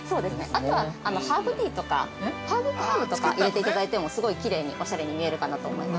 あとは、ハーブティーとかハーブとか入れていただいても、すごいきれいにおしゃれに見えるかなと思います。